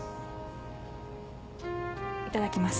いただきます。